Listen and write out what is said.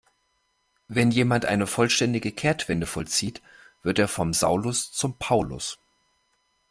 Wenn jemand eine vollständige Kehrtwende vollzieht, wird er vom Saulus zum Paulus.